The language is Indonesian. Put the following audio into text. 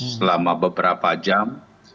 selama beberapa jam